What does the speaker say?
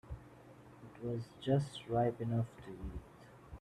It was just ripe enough to eat.